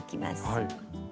はい。